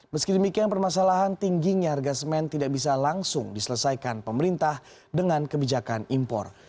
meski demikian permasalahan tingginya harga semen tidak bisa langsung diselesaikan pemerintah dengan kebijakan impor